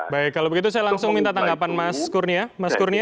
baik kalau begitu saya langsung minta tanggapan mas kurnia